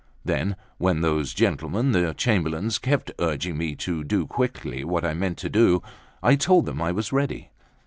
Then, when those gentlemen, the Chamberlains, kept urging me to do quickly what I meant to do, I told them I was ready.